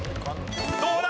どうだ？